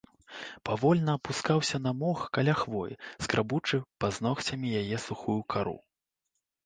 Павольна апускаўся на мох каля хвоі, скрабучы пазногцямі яе сухую кару.